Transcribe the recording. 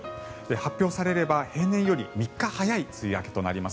発表されれば平年より３日早い梅雨明けとなります。